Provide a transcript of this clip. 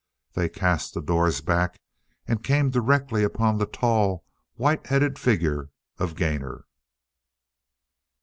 They cast the doors back and came directly upon the tall, white headed figure of Gainor.